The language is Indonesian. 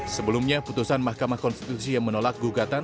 sebelumnya putusan mahkamah konstitusi yang menolak gugatan